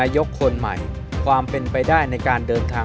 ใช่เธออ้างแบบนั้น